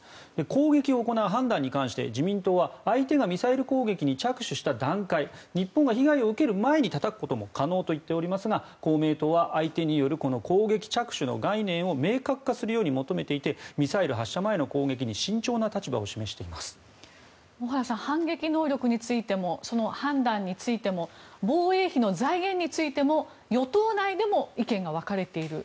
攻撃を行う判断に関して自民党は相手がミサイル攻撃に着手した段階日本が被害を受ける前にたたくことも可能と言っていますが公明党は相手による攻撃着手の概念を明確化するように求めていてミサイル発射前の行動に小原さん反撃能力についてもその判断についても防衛費の財源についても与党内でも意見が分かれている。